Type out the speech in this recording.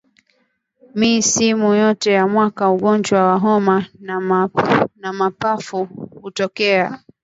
Misimu yote ya mwaka ugonjwa wa homa ya mapafu hutokea